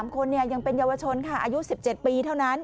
๓คนยังเป็นเยาวชนค่ะอายุ๑๗ปีเท่านั้น